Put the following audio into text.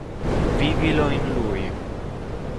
Vivilo in lui.